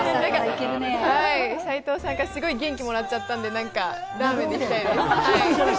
斉藤さんがすごい元気もらっちゃったんで、ラーメンで行きたいです。